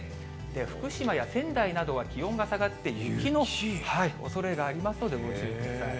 福島や仙台などは気温が下がって雪のおそれがありますのでご注意ください。